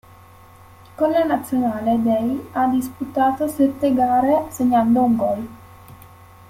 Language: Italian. Con la nazionale dei ha disputato sette gare, segnando un gol.